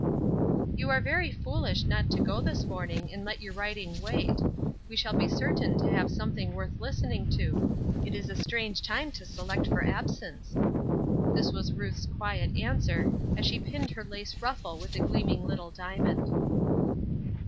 "You are very foolish not to go this morning and let your writing wait. We shall be certain to have something worth listening to; it is a strange time to select for absence." This was Ruth's quiet answer, as she pinned her lace ruffle with a gleaming little diamond.